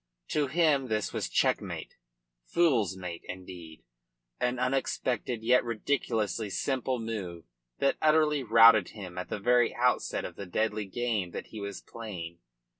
To him this was checkmate fool's mate indeed. An unexpected yet ridiculously simple move had utterly routed him at the very outset of the deadly game that he was playing.